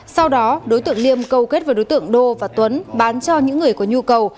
sau đó đối tượng liêm câu kết với đối tượng đô và tuấn bán cho những người có nhu cầu